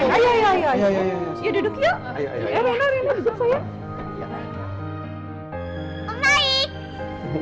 anak iste sekarang